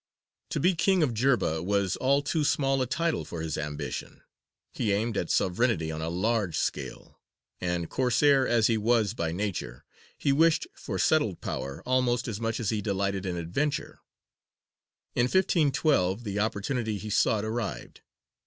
To be king of Jerba was all too small a title for his ambition. He aimed at sovereignty on a large scale, and, Corsair as he was by nature, he wished for settled power almost as much as he delighted in adventure. In 1512 the opportunity he sought arrived.